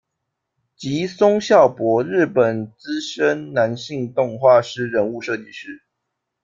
吉松孝博，日本资深男性动画师、人物设计师。